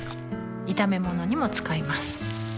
炒め物にも使います